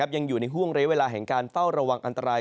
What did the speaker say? ยังอยู่ในห่วงระยะเวลาแห่งการเฝ้าระวังอันตราย